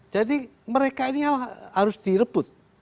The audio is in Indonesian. jadi mereka ini harus direbut